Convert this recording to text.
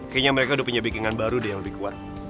kayaknya mereka udah punya backingan baru deh yang lebih kuat